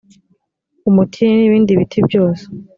umutini n ibindi biti byose